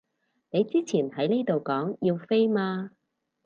你之前喺呢度講要飛嘛